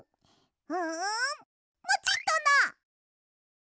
うんモチっとな！